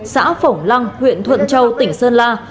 xã phổng lăng huyện thuận châu tỉnh sơn la